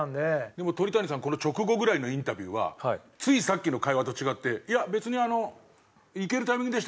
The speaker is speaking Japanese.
でも鳥谷さんこの直後ぐらいのインタビューはついさっきの会話と違って「いや別にいけるタイミングでしたから」